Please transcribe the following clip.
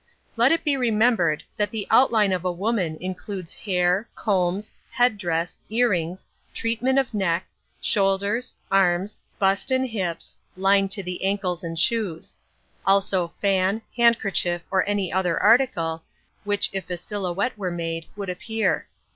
Let it be remembered that the outline of a woman includes hair, combs, head dress, earrings, treatment of neck, shoulders, arms, bust and hips; line to the ankles and shoes; also fan, handkerchief or any other article, which if a silhouette were made, would appear.